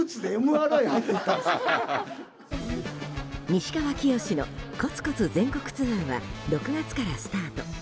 「西川きよしのコツコツ全国ツアー」は６月からスタート。